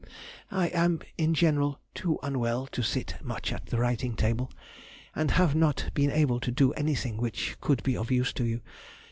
I am in general too unwell to sit much at the writing table, and have not been able to do anything which could be of use to you.